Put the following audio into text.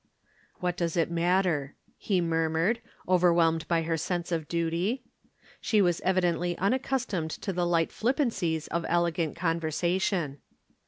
"What does it matter?" he murmured, overwhelmed by her sense of duty. She was evidently unaccustomed to the light flippancies of elegant conversation.